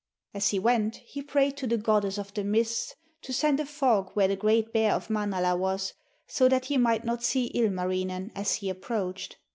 As he went he prayed to the goddess of the mists to send a fog where the great bear of Manala was, so that he might not see Ilmarinen as he approached.